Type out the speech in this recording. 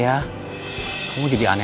dari mana bekommen